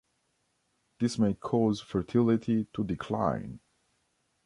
This may cause fertility to decline.